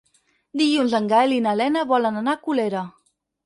Dilluns en Gaël i na Lena volen anar a Colera.